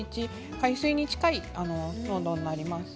海水に近い濃度になります。